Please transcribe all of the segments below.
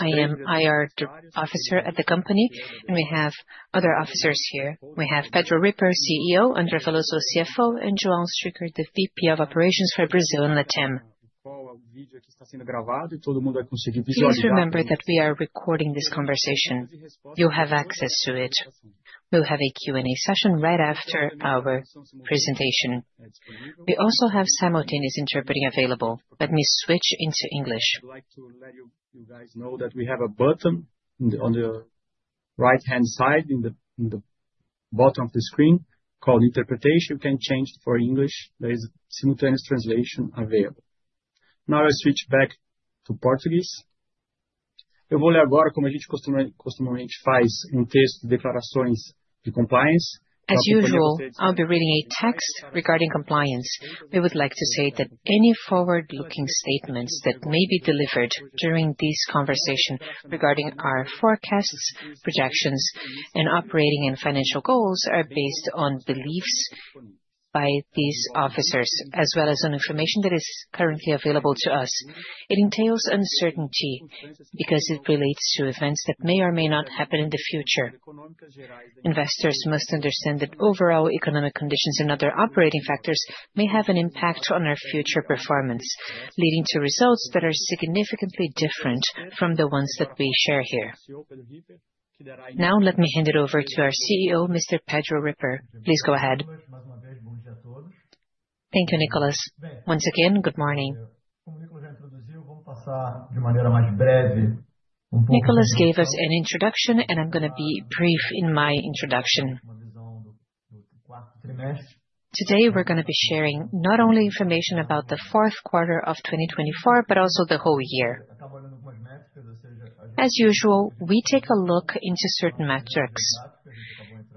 I am IR officer at the company, and we have other officers here. We have Pedro Ripper, CEO Andre Faloso, CFO and Joao Stryker, the VP of Operations for Brazil and LATAM. Remember that we are recording this conversation. You'll have access to it. We'll have a Q and A session right after our presentation. We also have simultaneous interpreting available. Let me switch into English. I would like to let you guys know that we have a button on the right hand side in the in the bottom of the screen called interpretation. You can change it for English. There is simultaneous translation available. Now I switch back to Portuguese. As usual, I'll be reading a text regarding compliance. We would like to say that any forward looking statements that may be delivered during this conversation regarding our forecasts, projections and operating and financial goals are based on beliefs by these officers as well as on information that is currently available to us. It entails uncertainty because it relates to events that may or may not happen in the future. Investors must understand that overall economic conditions and other operating factors may have an impact on our future performance, leading to results that are significantly different from the ones that we share here. Now let me hand it over to our CEO, Mr. Pedro Ripper. Please go ahead. Nicolas gave us an introduction, and I'm going to be brief in my introduction. Today, we're going to be sharing not only information about the fourth quarter of twenty twenty four, but also the whole year. As usual, we take a look into certain metrics.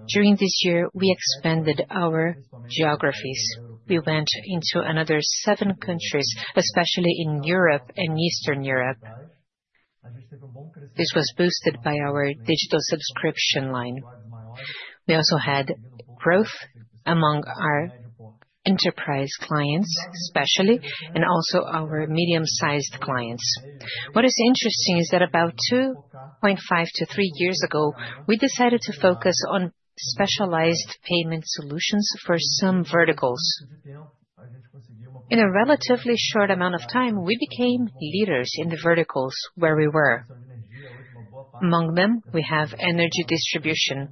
During this year, we expanded our geographies. We went into another seven countries, especially in Europe and Eastern Europe. This was boosted by our digital subscription line. We also had growth among our enterprise clients, especially, and also our medium sized clients. What is interesting is that about two point five to three years ago, we decided to focus on specialized payment solutions for some verticals. In a relatively short amount of time, we became leaders in the verticals where we were. Among them, we have energy distribution.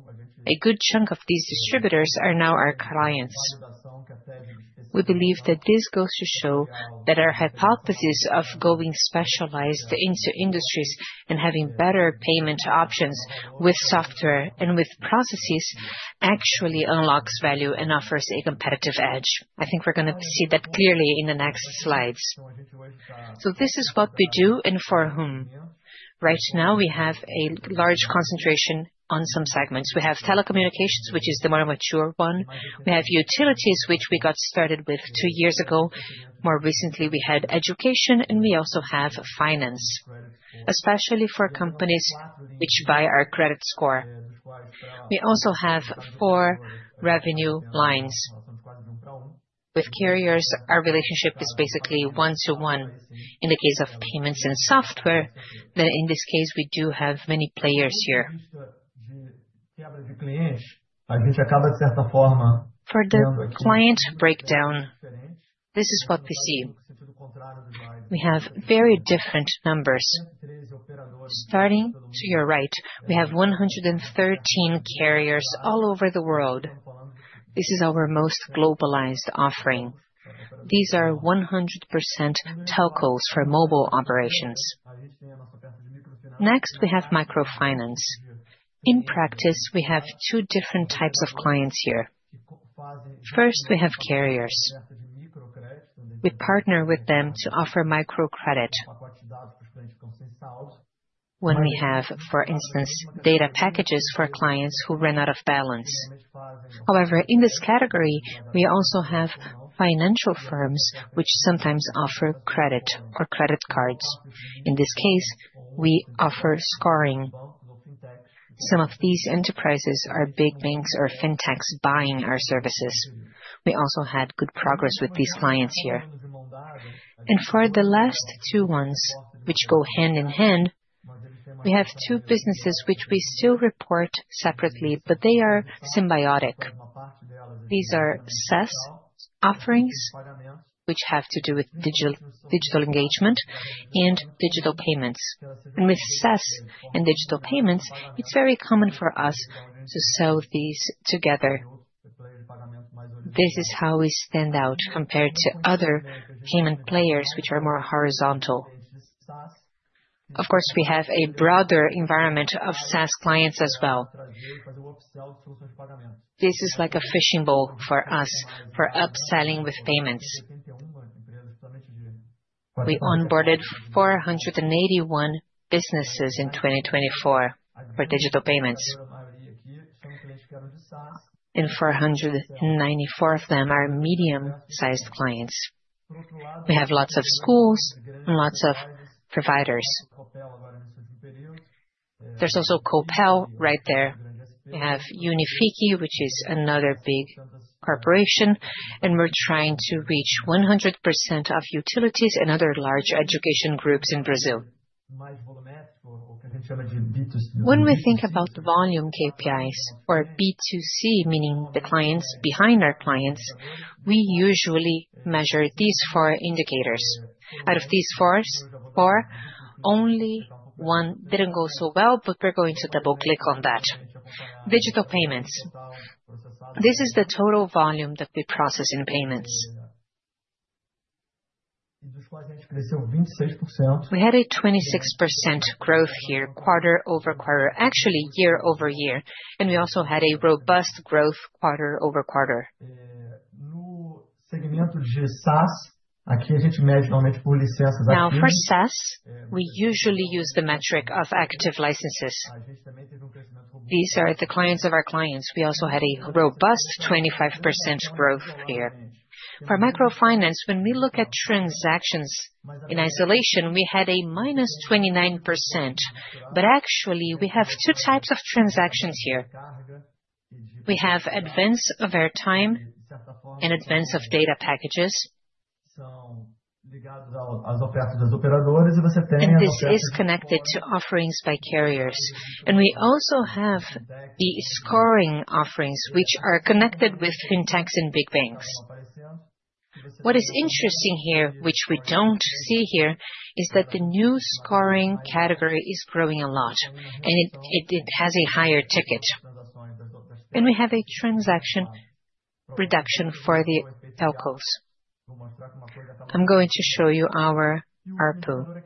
A good chunk of these distributors are now our clients. We believe that this goes to show that our hypothesis of going specialized into industries and having better payment options with software and with processes actually unlocks value and offers a competitive edge. I think we're going to see that clearly in the next slides. So this is what we do and for whom. Right now, we have a large concentration on some segments. We have telecommunications, which is the more mature one. We have utilities, which we got started with two years ago. More recently, we had education and we also have finance, especially for companies which buy our credit score. We also have four revenue lines. With carriers, our relationship is basically one to one. In the case of payments and software, then in this case, we do have many players here. For the client breakdown, this is what we see. We have very different numbers. Starting to your right, we have 113 carriers all over the world. This is our most globalized offering. These are 100% telcos for mobile operations. Next, we have microfinance. In practice, we have two different types of clients here. First, we have carriers. We partner with them to offer microcredit when we have, for instance, data packages for clients who ran out of balance. However, in this category, we also have financial firms, which sometimes offer credit or credit cards. In this case, we offer scoring. Some of these enterprises are big banks or fintechs buying our services. We also had good progress with these clients here. And for the last two ones, which go hand in hand, we have two businesses which we still report separately, but they are symbiotic. These are SaaS offerings, which have to do with digital engagement and digital payments. And with SaaS and digital payments, it's very common for us to sell these together. This is how we stand out compared to other payment players, which are more horizontal. Of course, we have a broader environment of SaaS clients as well. This is like a fishing ball for us for upselling with payments. We onboarded four eighty one businesses in 2024 for digital payments, and four ninety four of them are medium sized clients. We have lots of schools and lots of providers. There's also Copel right there. We have Unifi, which is another big corporation, and we're trying to reach 100% of utilities and other large education groups in Brazil. When we think about the volume KPIs or B2C, meaning the clients behind our clients, we usually measure these four indicators. Out of these four, only one didn't go so well, but we're going to double click on that. Digital payments. This is the total volume that we process in payments. We had a 26% growth here quarter over quarter, actually year over year. And we also had a robust growth quarter over quarter. Now for SaaS, we usually use the metric of active licenses. These are the clients of our clients. We also had a robust 25% growth here. For microfinance, when we look at transactions in isolation, we had a minus 29%. But actually, we have two types of transactions here. We have advance of airtime and advance of data packages. This is connected to offerings by carriers. And we also have the scoring offerings, which are connected with fintechs and big banks. What is interesting here, which we don't see here, is that the new scoring category is growing a lot, and it has a higher ticket. And we have a transaction reduction for the LCOs. I'm going to show you our ARPU.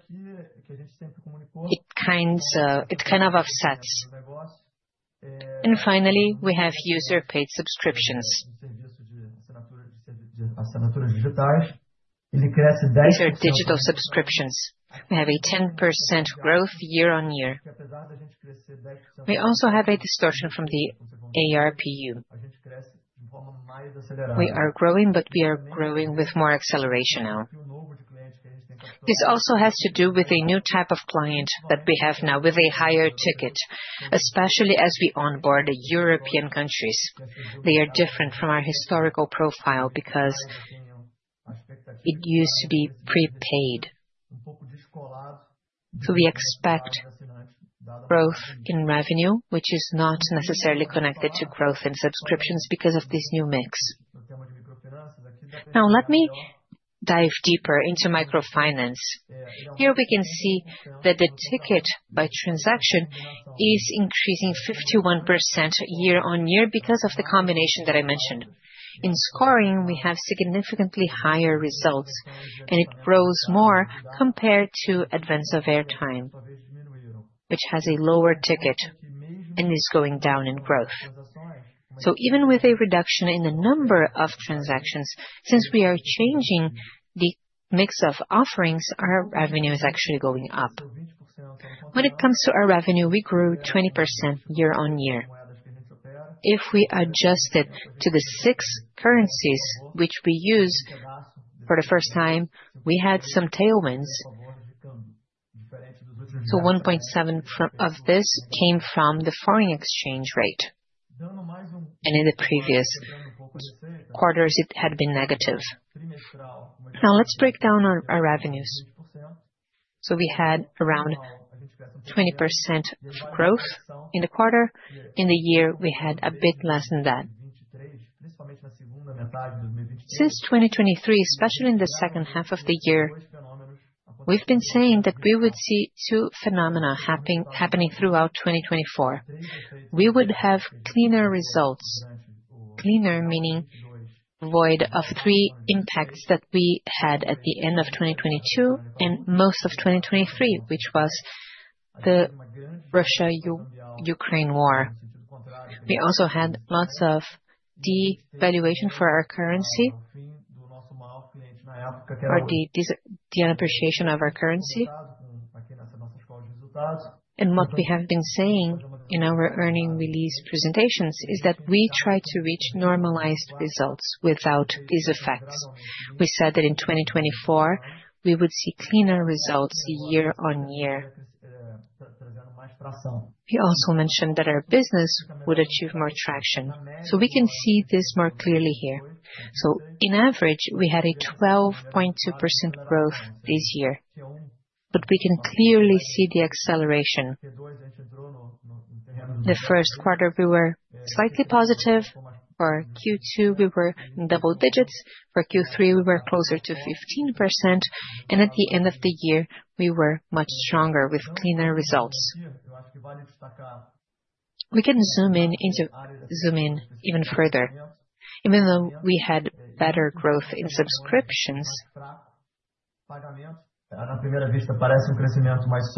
It kind of offsets. And finally, we have user paid subscriptions. These are digital subscriptions. We have a 10% growth year on year. We also have a distortion from the ARPU. We are growing, but we are growing with more acceleration now. This also has to do with a new type of client that we have now with a higher ticket, especially as we onboard the European countries. They are different from our historical profile because it used to be prepaid. So we expect growth in revenue, which is not necessarily connected to growth in subscriptions because of this new mix. Now let me dive deeper into microfinance. Here, we can see that the ticket by transaction is increasing 51% year on year because of the combination that I mentioned. In scoring, we have significantly higher results, and it grows more compared to advance of airtime, which has a lower ticket and is going down in growth. So even with a reduction in the number of transactions, since we are changing the mix of offerings, our revenue is actually going up. When it comes to our revenue, we grew 20% year on year. If we adjust it to the six currencies, which we use for the first time, we had some tailwinds. So 1.7 of this came from the foreign exchange rate. And in the previous quarters, it had been negative. Now let's break down our revenues. So we had around 20% growth in the quarter. In the year, we had a bit less than that. Since 2023, especially in the second half of the year, we've been saying that we would see two phenomena happening throughout 2024. We would have cleaner results, cleaner meaning void of three impacts that we had at the end of twenty twenty two and most of 2023, which was the Russia Ukraine war. We also had lots of devaluation for our currency or the appreciation of our currency. And what we have been saying in our earning release presentations is that we try to reach normalized results without these effects. We said that in 2024, we would see cleaner results year on year. We also mentioned that our business would achieve more traction. So we can see this more clearly here. So in average, we had a 12.2% growth this year, but we can clearly see the acceleration. The first quarter, we were slightly positive. For Q2, we were in double digits. For Q3, we were closer to 15%. And at the end of the year, we were much stronger with cleaner results. We can zoom even further. Even though we had better growth in subscriptions,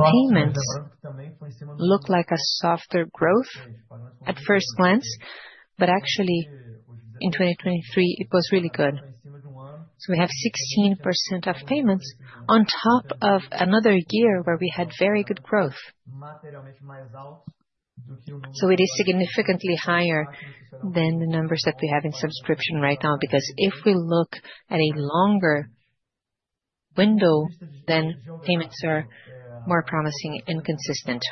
payments look like a softer growth at first glance, but actually, in 2023, it was really good. So we have 16% of payments on top of another year where we had very good growth. So it is significantly higher than the numbers that we have in subscription right now because if we look at a longer window, then payments are more promising and consistent.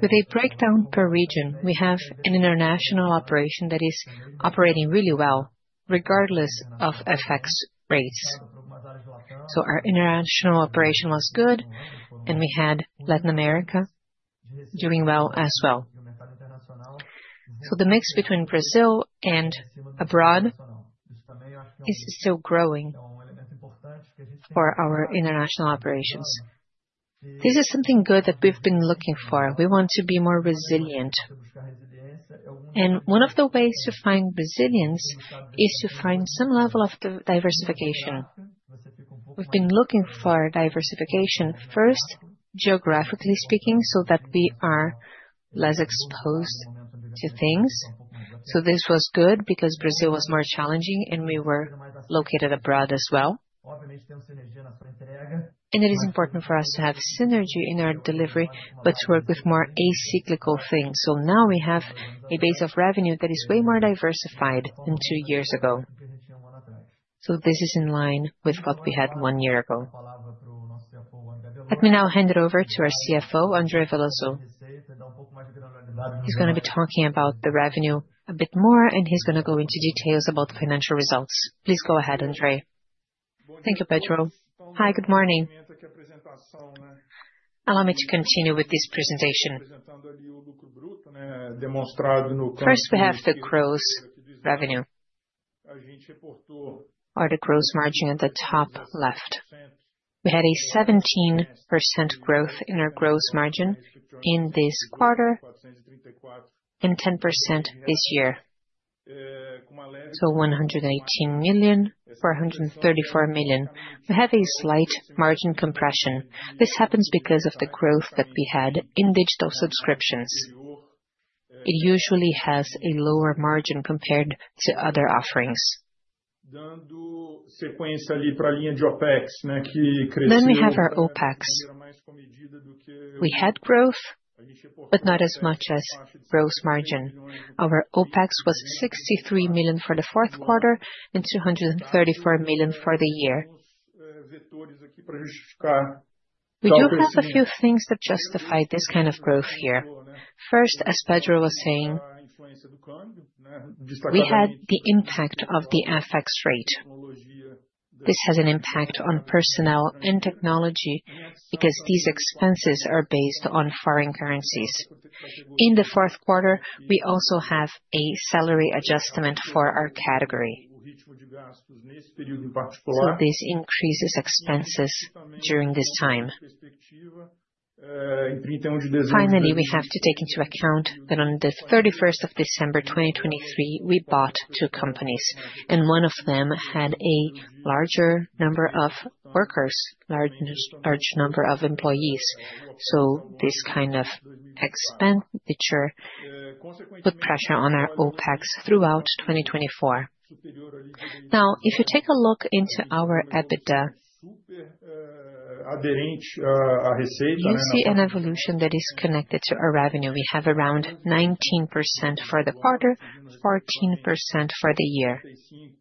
With a breakdown per region, we have an international operation that is operating really well regardless of FX rates. So our international operation was good, and we had Latin America doing well as well. So the mix between Brazil and abroad is still growing for our international operations. This is something good that we've been looking for. We want to be more resilient. And one of the ways to find resilience is to find some level of diversification. We've been looking for diversification first, geographically speaking, so that we are less exposed to things. So this was good because Brazil was more challenging, and we were located abroad as well. And it is important for us to have synergy in our delivery, but to work with more cyclical things. So now we have a base of revenue that is way more diversified than two years ago. So this is in line with what we had one year ago. Let me now hand it over to our CFO, Andre Velozo. He's going to be talking about the revenue a bit more, and he's going to go into details about the financial results. Please go ahead, Andre. Thank you, Pedro. Hi, good morning. Allow me to continue with this presentation. First, we have the gross revenue or the gross margin at the top left. We had a 17% growth in our gross margin in this quarter and 10% this year. So 118,000,000, 4 30 4 million. We have a slight margin compression. This happens because of the growth that we had in digital subscriptions. It usually has a lower margin compared to other offerings. Then we have our OpEx. We had growth, but not as much as gross margin. Our OpEx was 63,000,000 for the fourth quarter and BRL $234,000,000 for the year. We do have a few things that justify this kind of growth here. First, as Pedro was saying, we had the impact of the FX rate. This has an impact on personnel and technology because these expenses are based on foreign currencies. In the fourth quarter, we also have a salary adjustment for our category. So this increases expenses during this time. Finally, we have to take into account that on the 12/31/2023, we bought two companies, and one of them had a larger number of workers, large number of employees. So this kind of expenditure put pressure on our OpEx throughout 2024. Now if you take a look into our EBITDA, we see an evolution that is connected to our revenue. We have around 19% for the quarter, 14% for the year.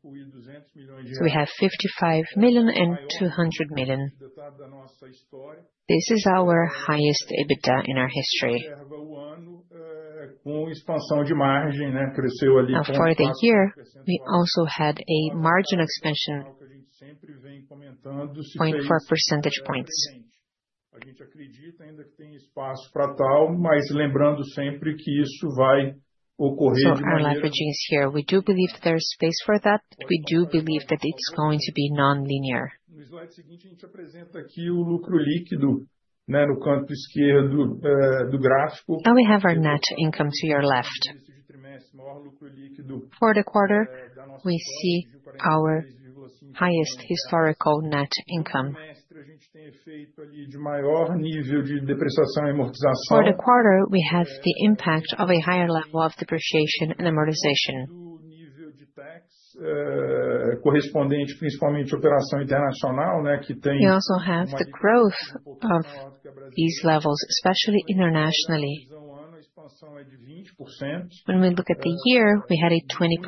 So we have 55 million and 200 million. This is our highest EBITDA in our history. For the year, we also had a margin expansion, point four percentage points. More leveraging is here. We do believe there's space for that. We do believe that it's going to be nonlinear. Now we have our net income to your left. For the quarter, we see our highest historical net income. For the quarter, we have the impact of a higher level of depreciation and amortization. We also have the growth of these levels, especially internationally. When we look at the year, we had a 20%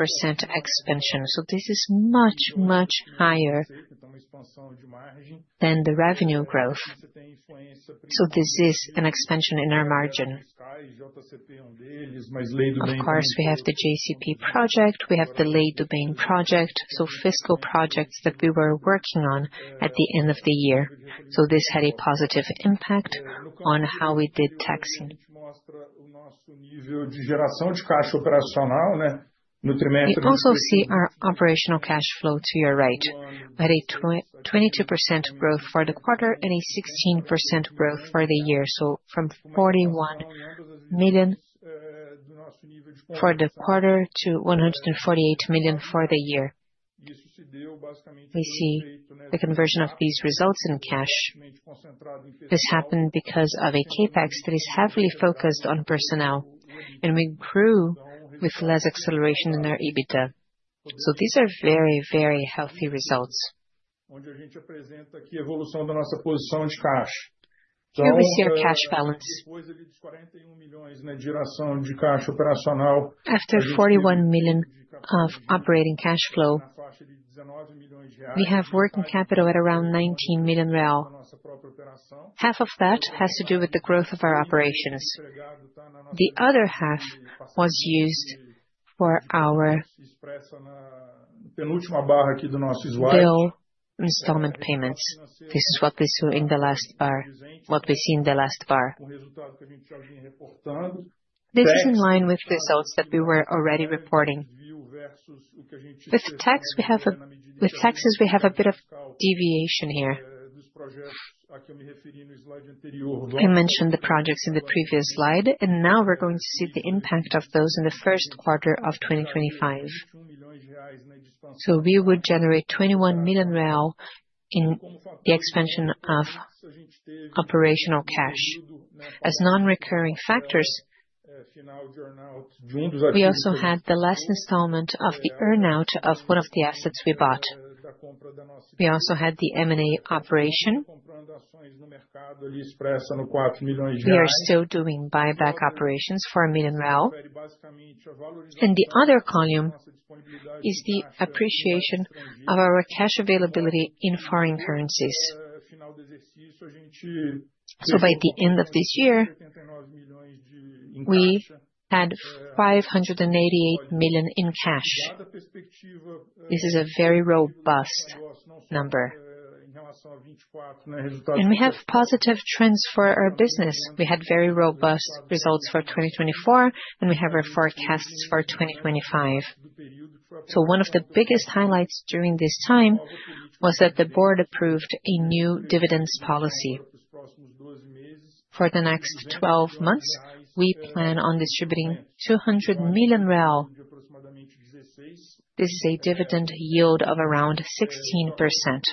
expansion. So this is much, much higher than the revenue growth. So this is an expansion in our margin. Of course, we have the JCP project, we have the Lei Dubain project, so fiscal projects that we were working on at the end of the year. So this had a positive impact on how we did taxing. Also see our operational cash flow to your right, at a 22% growth for the quarter and a 16% growth for the year. So from million for the quarter to 148 million for the year. We see the conversion of these results in cash. This happened because of a CapEx that is heavily focused on personnel, and we grew with less acceleration in our EBITDA. So these are very, very healthy results. Here we see our cash balance. After 41 million of operating cash flow, we have working capital at around 19 million real. Half of that has to do with the growth of our operations. The other half was used for our bill installment payments. This is what we saw in the last bar, what we see in the last bar. This is in line with results that we were already reporting. With taxes, we have a bit of deviation here. I mentioned the projects in the previous slide, and now we're going to see the impact of those in the first quarter of twenty twenty five. So we would generate 21 million in the expansion of operational cash. As nonrecurring factors, we also had the last installment of the earn out of one of the assets we bought. We also had the M and A operation. We are still doing buyback operations for 1,000,000. And the other column is the appreciation of our cash availability in foreign currencies. So by the end of this year, we had million in cash. This is a very robust number. And we have positive trends for our business. We had very robust results for 2024, and we have our forecasts for 2025. So one of the biggest highlights during this time was that the Board approved a new dividends policy. For the next twelve months, we plan on distributing 200,000,000. This is a dividend yield of around 16%.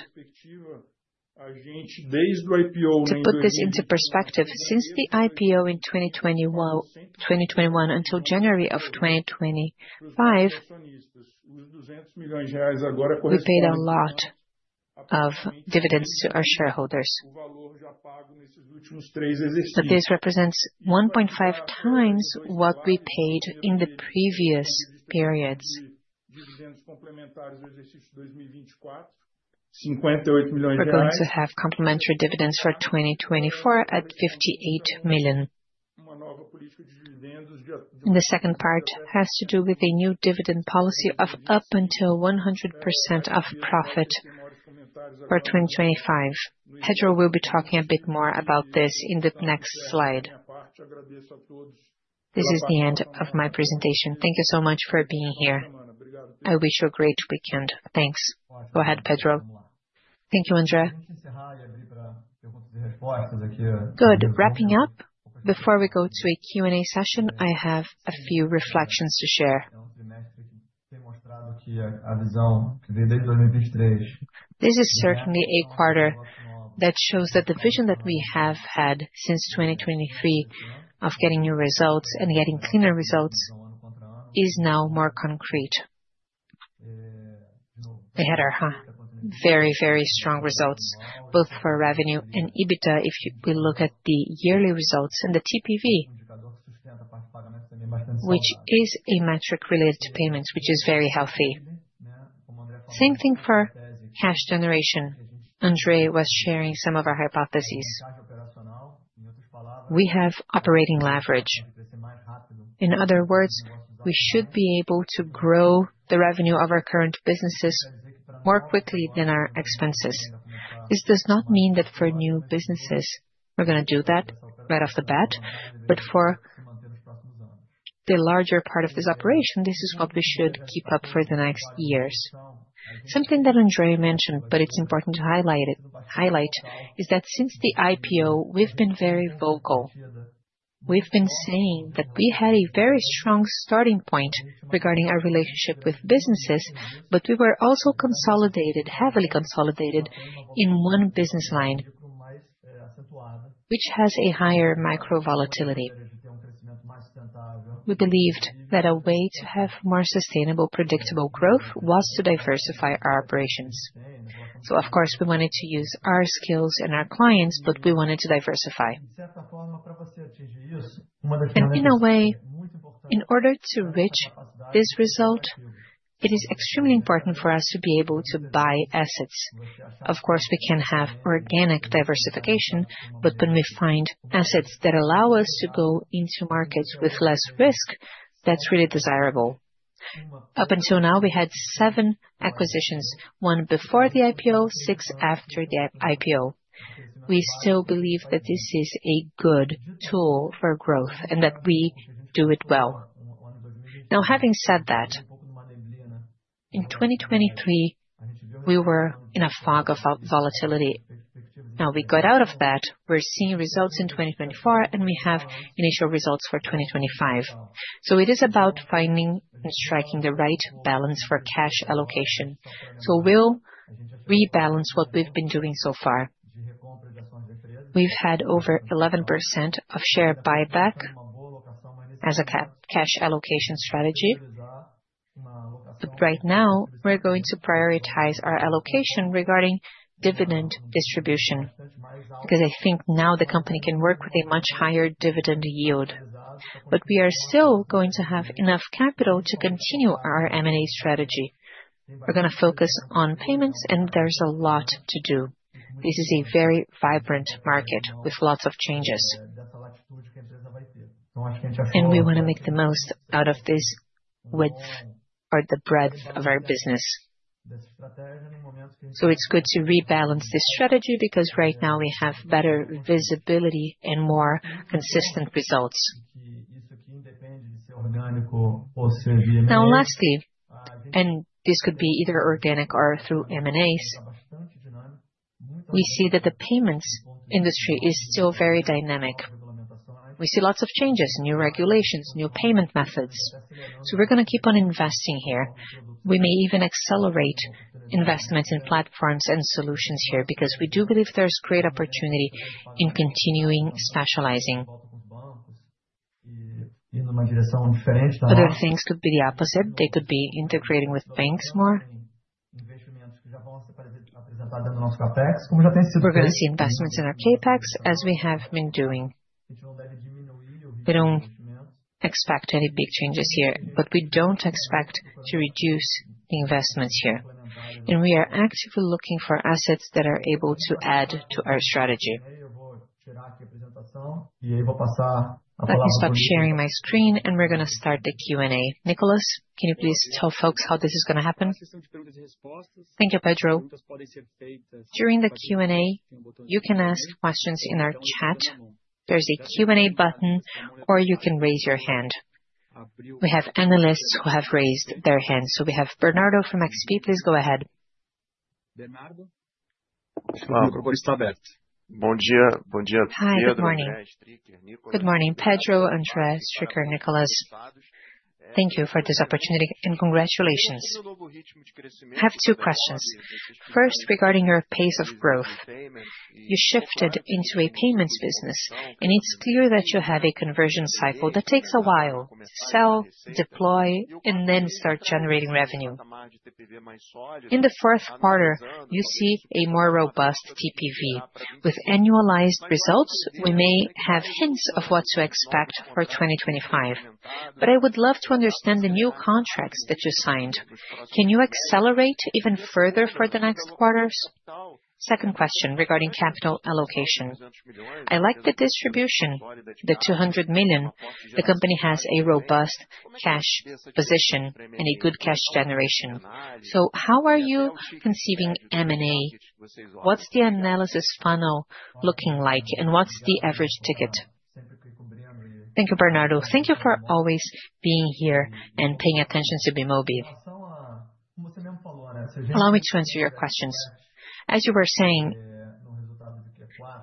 To put this into perspective, since the IPO in 2021 until January of twenty twenty five, we paid a lot of dividends to our shareholders. But this represents 1.5 times what we paid in the previous periods. We're going to have complementary dividends for 2024 at million. The second part has to do with a new dividend policy of up until 100% of profit for 2025. Pedro will be talking a bit more about this in the next slide. This is the end of my presentation. Thank you so much for being here. I wish you a great weekend. Thanks. Go ahead, Pedro. Thank you, Andrea. Good. Wrapping up, before we go to a Q and A session, I have a few reflections to share. This is certainly a quarter that shows that the vision that we have had since 2023 of getting new results and getting cleaner results is now more concrete. Very, very strong results, both for revenue and EBITDA. If we look at the yearly results and the TPV, which is a metric related to payments, which is very healthy. Same thing for cash generation. Andre was sharing some of our hypotheses. We have operating leverage. In other words, we should be able to grow the revenue of our current businesses more quickly than our expenses. This does not mean that for new businesses, we're going to do that right off the bat. But for the larger part of this operation, this is what we should keep up for the next years. Something that Andre mentioned, but it's important to highlight is that since the IPO, we've been very vocal. We've been saying that we had a very strong starting point regarding our relationship with businesses, but we were also consolidated, heavily consolidated in one business line, which has a higher macro volatility. We believed that a way to have more sustainable predictable growth was to diversify our operations. So of course, we wanted to use our skills and our clients, but we wanted to diversify. And in a way, in order to reach this result, it is extremely important for us to be able to buy assets. Of course, we can have organic diversification, but when we find assets that allow us to go into markets with less risk, that's really desirable. Up until now, we had seven acquisitions, one before the IPO, six after the IPO. We still believe that this is a good tool for growth and that we do it well. Now having said that, in 2023, we were in a fog of volatility. Now we got out of that. We're seeing results in 2024, and we have initial results for 2025. So it is about finding and striking the right balance for cash allocation. So we'll rebalance what we've been doing so far. We've had over 11% of share buyback as a cash allocation strategy. But right now, we're going to prioritize our allocation regarding dividend distribution because I think now the company can work with a much higher dividend yield. But we are still going to have enough capital to continue our M and A strategy. We're going to focus on payments, and there's a lot to do. This is a very vibrant market with lots of changes. And we want to make the most out of this width or the breadth of our business. So it's good to rebalance this strategy because right now we have better visibility and more consistent results. Now lastly, this could be either organic or through M and As. We see that the payments industry is still very dynamic. We see lots of changes, new regulations, new payment methods. So we're going to keep on investing here. We may even accelerate investments in platforms and solutions here because we do believe there's great opportunity in continuing specializing. Other things could be the opposite. They could be integrating with banks more. We're going see investments in our CapEx as we have been doing. We don't expect any big changes here, but we don't expect to reduce investments here. And we are actively looking for assets that are able to add to our strategy. I'll stop sharing my screen, and we're going to start the Q and A. Nicolas, can you please tell folks how this is going to happen? Thank you, Pedro. During the Q and A, you can ask questions in our chat. There's a Q and A button or you can raise your hand. We have analysts who have raised their hands. So we have Bernardo from XP. Please go ahead. Hi, good morning. Good morning, Pedro, Andres, Trico, Nicolas. Thank you for this opportunity and congratulations. I have two questions. First, regarding your pace of growth. You shifted into a payments business and it's clear that you have a conversion cycle that takes a while, sell, deploy and then start generating revenue. In the fourth quarter, you see a more robust TPV. With annualized results, we may have hints of what to expect for 2025. But I would love to understand the new contracts that you signed. Can you accelerate even further for the next quarters? Second question regarding capital allocation. I like the distribution, the million. The company has a robust cash position and a good cash generation. So how are you conceiving M and A? What's the analysis funnel looking like? And what's the average ticket? Thank you, Bernardo. Thank you for always being here and paying attention to Bemobi. Allow me to answer your questions. As you were saying,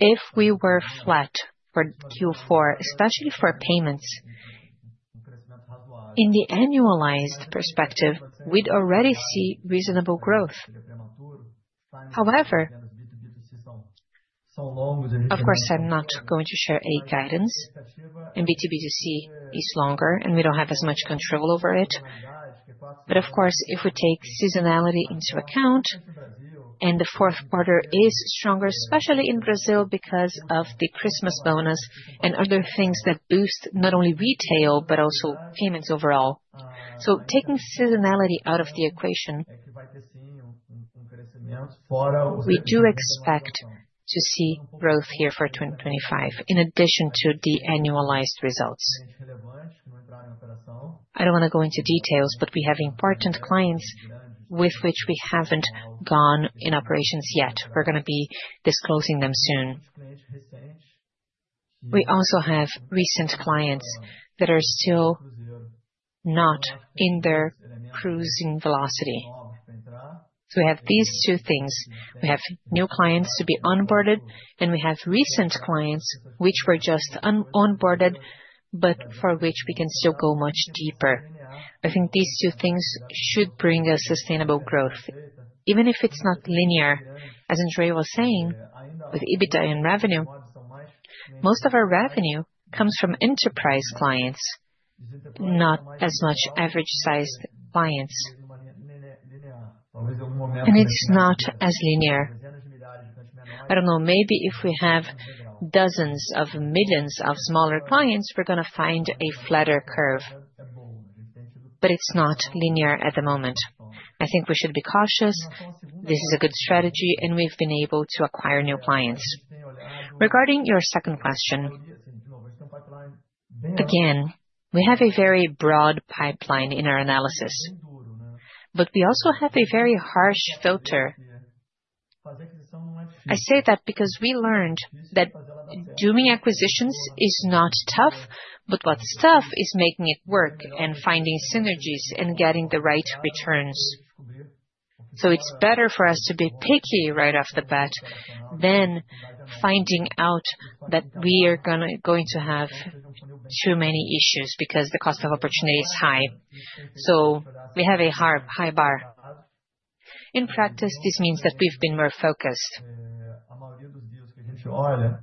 if we were flat for Q4, especially for payments, in the annualized perspective, we'd already see reasonable growth. However, of course, I'm not going to share a guidance and B2B2C is longer and we don't have as much control over it. But of course, if we take seasonality into account and the fourth quarter is stronger, especially in Brazil because of the Christmas bonus and other things that boost not only retail but also payments overall. So taking seasonality out of the equation, we do expect to see growth here for 2025 in addition to the annualized results. I don't want to go into details, but we have important clients with which we haven't gone in operations yet. We're going to be disclosing them soon. We also have recent clients that are still not in their cruising velocity. So we have these two things. We have new clients to be onboarded and we have recent clients, which were just onboarded, but for which we can still go much deeper. I think these two things should bring us sustainable growth. Even if it's not linear, as Andre was saying, with EBITDA and revenue, most of our revenue comes from enterprise clients, not as much average sized clients. And it's not as linear. I don't know, maybe if we have dozens of millions of smaller clients, we're going to find a flatter curve. But it's not linear at the moment. I think we should be cautious. This is a good strategy and we've been able to acquire new clients. Regarding your second question, again, we have a very broad pipeline in our analysis, but we also have a very harsh filter. I say that because we learned that doing acquisitions is not tough, but what's tough is making it work and finding synergies and getting the right returns. So it's better for us to be picky right off the bat than finding out that we are going to have too many issues because the cost of opportunity is high. So we have a high bar. In practice, this means that we've been more focused.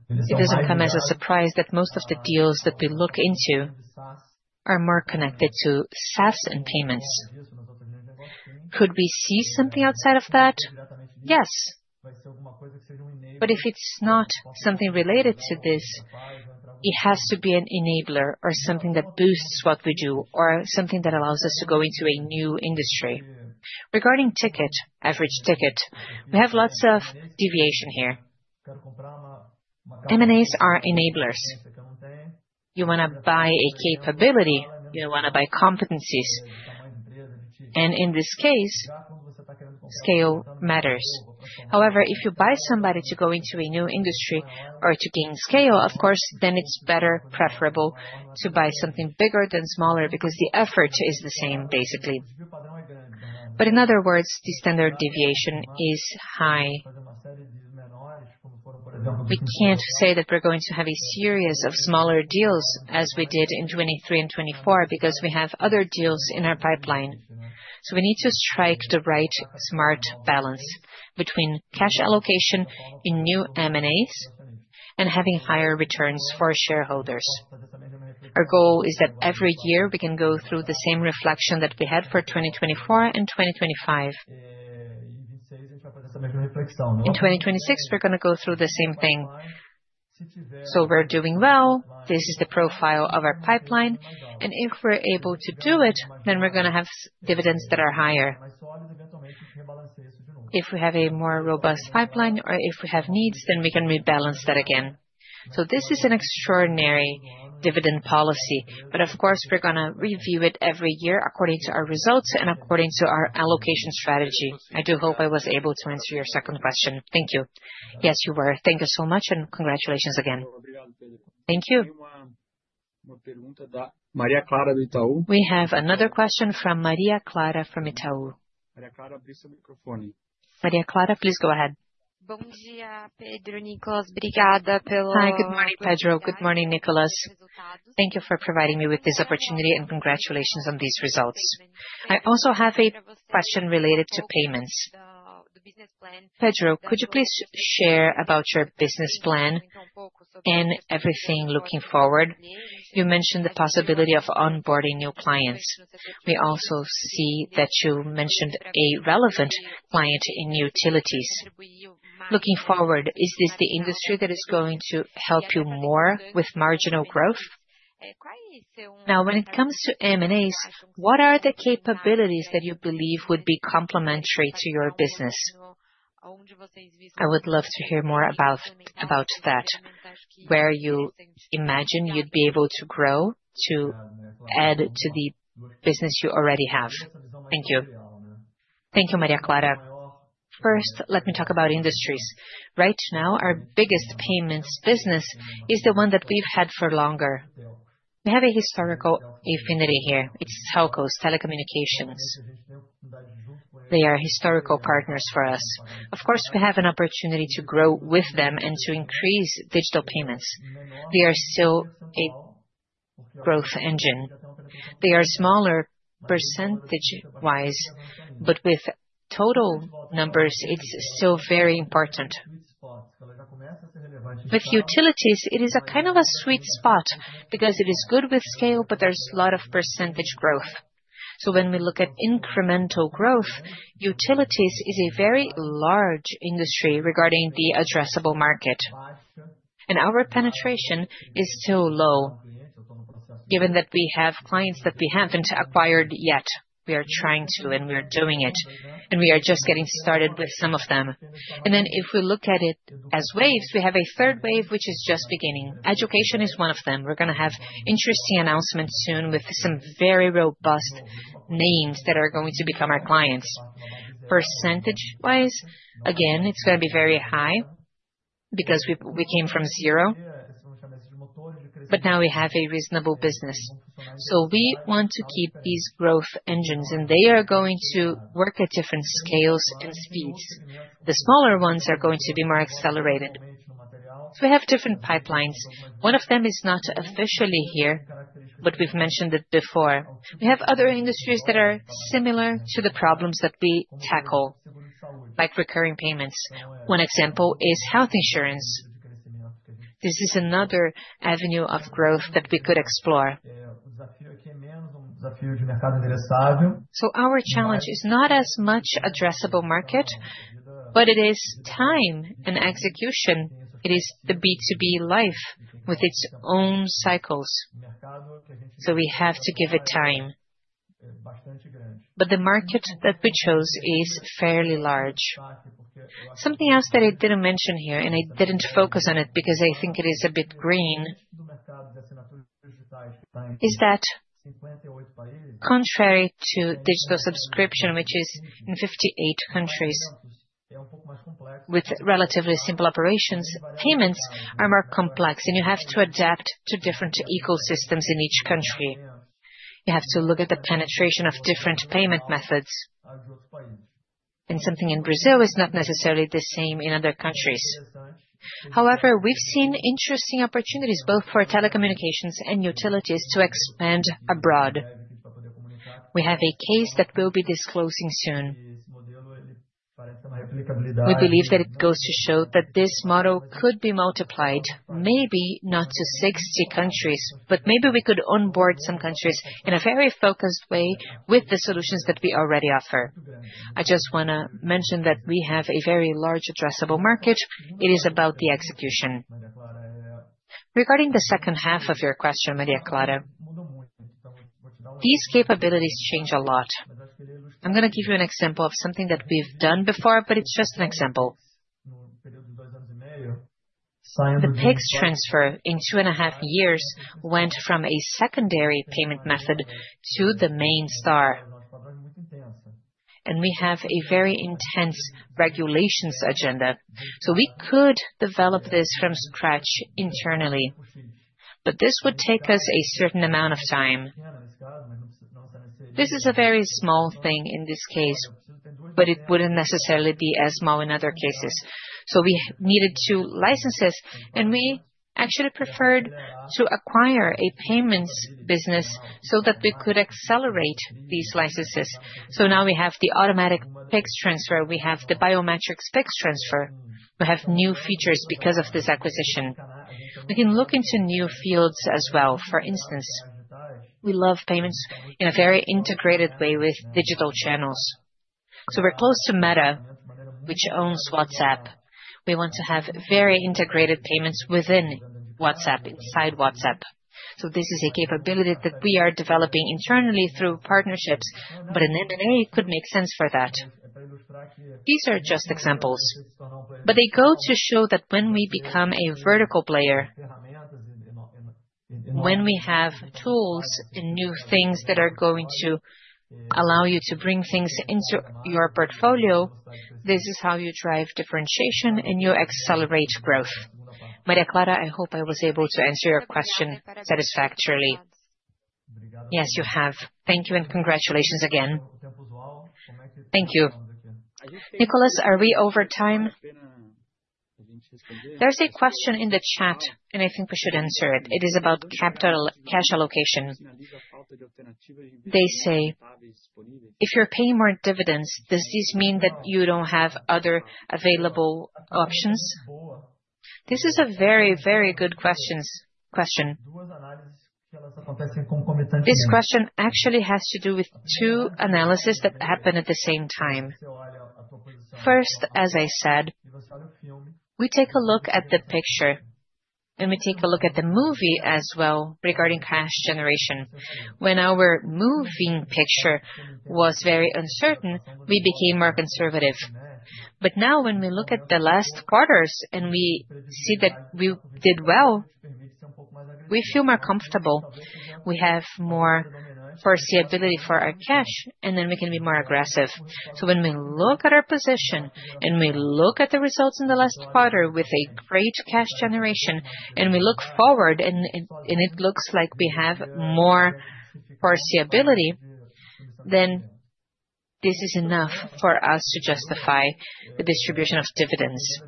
It doesn't come as a surprise that most of the deals that we look into are more connected to SaaS and payments. Could we see something outside of that? Yes. But if it's not something related to this, it has to be an enabler or something that boosts what we do or something that allows us to go into a new industry. Regarding ticket, average ticket, we have lots of deviation here. M and As are enablers. You want to buy a capability, you want to buy competencies. And in this case, scale matters. However, if you buy somebody to go into a new industry or to gain scale, of course, then it's better preferable to buy something bigger than smaller because the effort is the same basically. But in other words, the standard deviation is high. We can't say that we're going to have a series of smaller deals as we did in 'twenty three and 'twenty four because we have other deals in our pipeline. So we need to strike the right smart balance between cash allocation in new M and As and having higher returns for shareholders. Our goal is that every year we can go through the same reflection that we had for 2024 and 2025. In 2026, we're going to go through the same thing. So we're doing well. This is the profile of our pipeline. And if we're able to do it, then we're going to have dividends that are higher. If we have a more robust pipeline or if we have needs, then we can rebalance that again. So this is an extraordinary dividend policy. But of course, we're going to review it every year according to our results and according to our allocation strategy. I do hope I was able to answer your second question. Thank you. Yes, you were. Thank you so much, and congratulations again. Thank you. We have another question from Maria Clara from Itau. Maria Clara, please go ahead. You for providing me with this opportunity and congratulations on these results. I also have a question related to payments. Pedro, could you please share about your business plan and everything looking forward? You mentioned the possibility of onboarding new clients. We also see that you mentioned a relevant client in utilities. Looking forward, is this the industry that is going to help you more with marginal growth? Now when it comes to M and As, what are the capabilities that you believe would be complementary to your business? I would love to hear more about that. Where you imagine you'd be able to grow to add to the business you already have? Thank you, Maria Clara. First, let me talk about industries. Right now, our biggest payments business is the one that we've had for longer. We have a historical affinity here. It's Telcos telecommunications. They are historical partners for us. Of course, we have an opportunity to grow with them and to increase digital payments. They are still a growth engine. They are smaller percentage wise, but with total numbers, it's still very important. With utilities, it is a kind of a sweet spot because it is good with scale, but there's a lot of percentage growth. So when we look at incremental growth, utilities is a very large industry regarding the addressable market. And our penetration is still low, given that we have clients that we haven't acquired yet. We are trying to, and we are doing it. And we are just getting started with some of them. And then if we look at it as waves, we have a third wave, which is just beginning. Education is one of them. We're going to have interesting announcements soon with some very robust names that are going to become our clients. Percentage wise, again, it's going be very high because we came from zero, but now we have a reasonable business. So we want to keep these growth engines, and they are going to work at different scales and speeds. The smaller ones are going to be more accelerated. So we have different pipelines. One of them is not officially here, but we've mentioned it before. We have other industries that are similar to the problems that we tackle, like recurring payments. One example is health insurance. This is another avenue of growth that we could explore. So our challenge is not as much addressable market, but it is time and execution. It is the B2B life with its own cycles. So we have to give it time. But the market that we chose is fairly large. Something else that I didn't mention here, and I didn't focus on it because I think it is a bit green, is that contrary to digital subscription, which is in 58 countries with relatively simple operations, payments are more complex and you have to adapt to different ecosystems in each country. You have to look at the penetration of different payment methods. And something in Brazil is not necessarily the same in other countries. However, we've seen interesting opportunities both for telecommunications and utilities to expand abroad. We have a case that we'll be disclosing soon. We believe that it goes to show that this model could be multiplied maybe not to 60 countries, but maybe we could onboard some countries in a very focused way with the solutions that we already offer. I just want to mention that we have a very large addressable market. It is about the execution. Regarding the second half of your question, Maria Clara, these capabilities change a lot. I'm going to give you an example of something that we've done before, but it's just an example. The PIGS transfer in two point five years went from a secondary payment method to the main star. And we have a very intense regulations agenda. So we could develop this from scratch internally. But this would take us a certain amount of time. This is a very small thing in this case, but it wouldn't necessarily be as small in other cases. So we needed two licenses, and we actually preferred to acquire a payments business so that we could accelerate these licenses. So now we have the automatic PICS transfer. We have the biometrics PICS transfer. We have new features because of this acquisition. We can look into new fields as well. For instance, we love payments in a very integrated way with digital channels. So we're close to Meta, which owns WhatsApp. We want to have very integrated payments within WhatsApp, inside WhatsApp. So this is a capability that we are developing internally through partnerships, but in M and A, it could make sense for that. These are just examples. But they go to show that when we become a vertical player, when we have tools and new things that are going to allow you to bring things into your portfolio, this is how you drive differentiation and you accelerate growth. I hope I was able to answer your question satisfactorily. You have. Thank you and congratulations again. Nicolas, are we overtime? There's a question in the chat, and I think we should answer it. It is about capital cash allocation. They say, if you're paying more dividends, does this mean that you don't have other available options? This is a very, very good question. This question actually has to do with two analysis that happened at the same time. First, as I said, we take a look at the picture, and we take a look at the movie as well regarding cash generation. When our moving picture was very uncertain, we became more conservative. But now when we look at the last quarters and we see that we did well, we feel more comfortable. We have more foreseeability for our cash and then we can be more aggressive. So when we look at our position and we look at the results in the last quarter with a great cash generation and we look forward and it looks like we have more foreseeability, then this is enough for us to justify the distribution of dividends.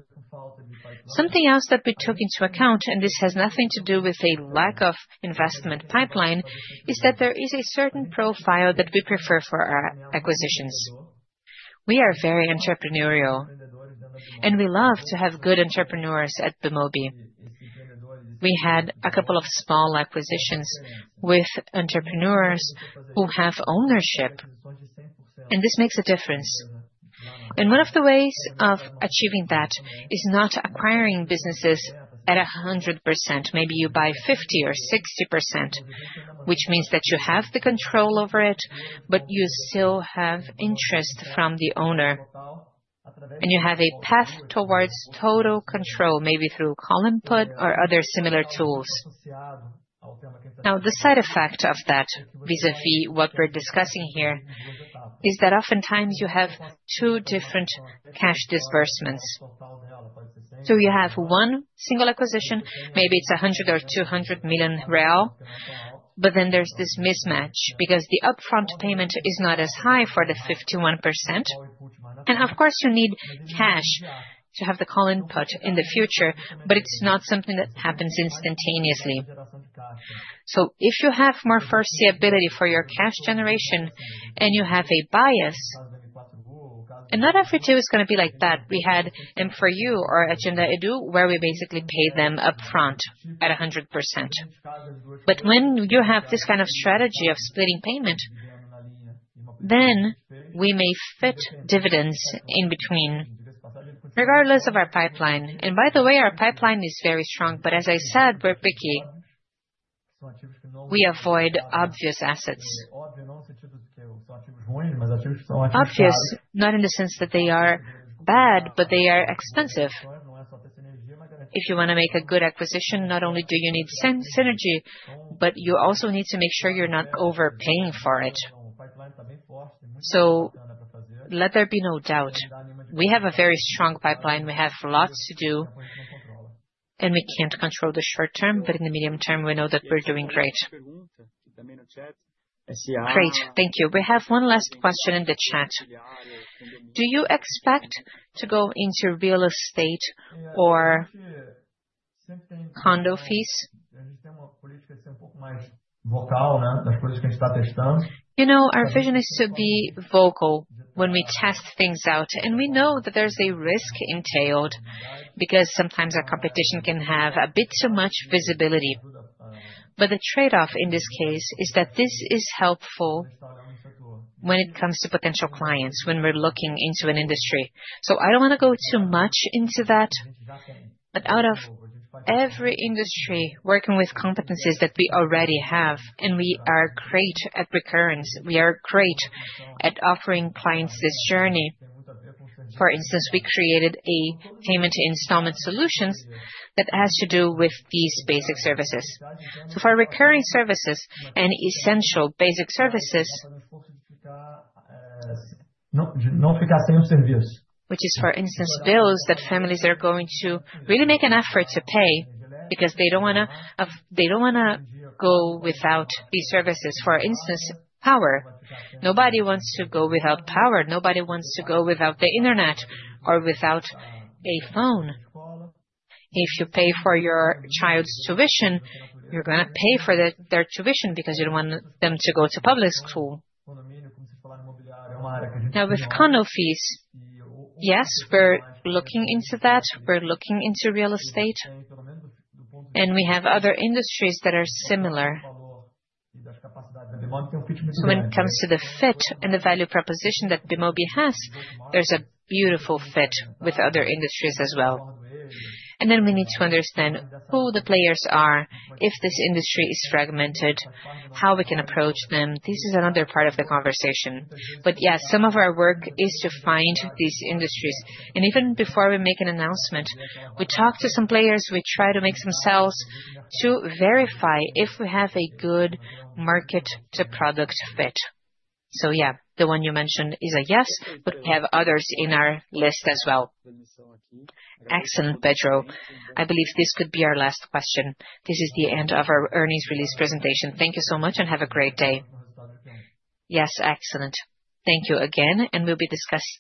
Something else that we took into account, and this has nothing to do with a lack of investment pipeline, is that there is a certain profile that we prefer for our acquisitions. We are very entrepreneurial and we love to have good entrepreneurs at Bemobi. We had a couple of small acquisitions with entrepreneurs who have ownership and this makes a difference. And one of the ways of achieving that is not acquiring businesses at 100%. Maybe you buy 50% or 60%, which means that you have the control over it, but you still have interest from the owner. And you have a path towards total control, maybe through call input or other similar tools. Now the side effect of that vis a vis what we're discussing here is that oftentimes you have two different cash disbursements. So you have one single acquisition, maybe it's 100 million or 200 million real, But then there's this mismatch because the upfront payment is not as high for the 51%. And of course, you need cash to have the call input in the future, but it's not something that happens instantaneously. So if you have more foreseeability for your cash generation and you have a bias, and not every two is going to be like that. We had M4U or Agenda Edu, where we basically pay them upfront at 100%. But when you have this kind of strategy of splitting payment, then we may fit dividends in between regardless of our pipeline. And by the way, our pipeline is very strong. But as I said, we're picky. We avoid obvious assets. Obvious, not in the sense that they are bad, but they are expensive. If you want to make a good acquisition, not only do you need synergy, but you also need to make sure you're not overpaying for it. So let there be no doubt. We have a very strong pipeline. We have lots to do, and we can't control the short term. But in the medium term, we know that we're doing great. Great. Thank you. We have one last question in the chat. Do you expect to go into real estate or condo fees? You know, our vision is to be vocal when we test things out. And we know that there's a risk entailed because sometimes our competition can have a bit too much visibility. But the trade off in this case is that this is helpful when it comes to potential clients, when we're looking into an industry. So I don't want to go too much into that. But out of every industry working with competencies that we already have, and we are great at recurrence, we are great at offering clients this journey. For instance, we created a payment installment solutions that has to do with these basic services. So for recurring services and essential basic services, Which is, for instance, bills that families are going to really make an effort to pay because they don't wanna they don't wanna go without these services. For instance, power. Nobody wants to go without power. Nobody wants to go without the Internet or without a phone. If you pay for your child's tuition, you're going to pay for their tuition because you don't want them to go to public school. Now with condo fees, yes, we're looking into that. We're looking into real estate and we have other industries that are similar. So when it comes to the fit and the value proposition that Bemobi has, there's a beautiful fit with other industries as well. And then we need to understand who the players are, if this industry is fragmented, how we can approach them. This is another part of the conversation. But yes, some of our work is to find these industries. And even before we make an announcement, we talk to some players, we try to make some sales to verify if we have a good market to product fit. So yes, the one you mentioned is a yes, but we have others in our list as well. Excellent Pedro. I believe this could be our last question. This is the end of our earnings release presentation. Thank you so much and have a great day. Yes, excellent. Thank you again and we'll be discuss